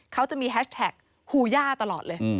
เขาจะมีแฮชแท็กฮูย่าตลอดเลย